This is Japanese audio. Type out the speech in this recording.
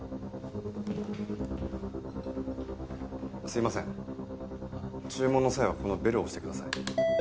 すいません注文の際はこのベルを押してください。